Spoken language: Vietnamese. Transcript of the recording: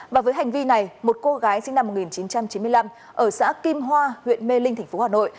và với hành vi này một cô gái sinh năm một nghìn chín trăm chín mươi năm ở xã kim hoa huyện mê linh tp hà nội